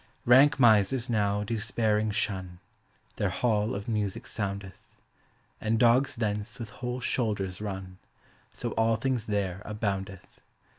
Rank misers now do sparing shun — Their hall of music soundeth; And dogs thence with whole shoulders run, So all things there aboundeth.